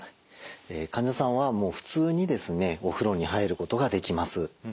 患者さんはもう普通にですねお風呂に入ることができます。